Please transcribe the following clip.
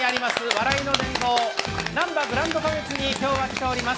笑いの殿堂、なんばグランド花月に今日は来ております。